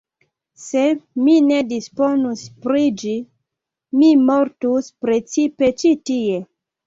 Se mi ne disponus pri ĝi, mi mortus, precipe ĉi tie.